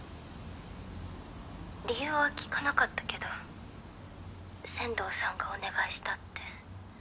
理由は聞かなかったけど千堂さんがお願いしたって。